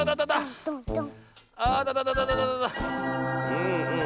うんうん。